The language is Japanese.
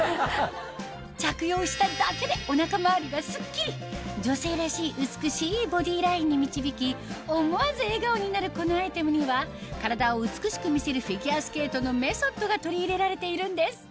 着用しただけで女性らしい美しいボディーラインに導き思わず笑顔になるこのアイテムには体を美しく見せるフィギュアスケートのメソッドが取り入れられているんです